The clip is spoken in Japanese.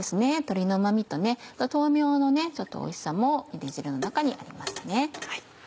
鶏のうま味と豆苗のおいしさもゆで汁の中にありますね。